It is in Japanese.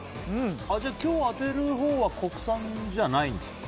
じゃあ今日当てるほうは国産じゃないんですか？